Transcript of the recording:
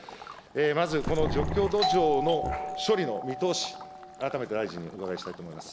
まずこの除去土壌の処理の見通し、改めて大臣にお伺いしたいと思います。